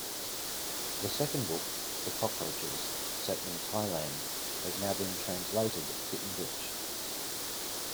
The second book, "The Cockroaches", set in Thailand, has now been translated to English.